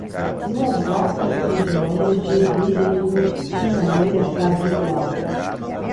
Duas vastas regiões dividem-no de maneira quase igual.